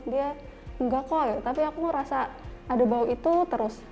dia enggak kok ya tapi aku ngerasa ada bau itu terus